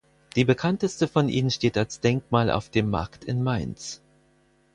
Die bekannteste von ihnen steht als Denkmal auf dem Markt in Mainz.